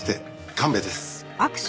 神戸です。